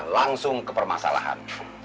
langsung ke permasalahan